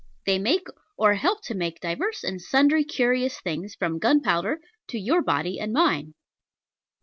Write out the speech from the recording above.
They make, or help to make, divers and sundry curious things, from gunpowder to your body and mine.